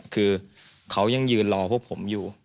คือเขายังยืนรอพวกผมอยู่